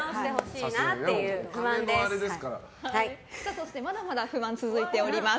そしてまだまだ不満、続いております。